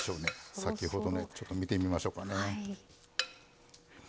先ほどのやつちょっと見てみましょうかね。